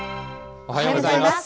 おはようございます。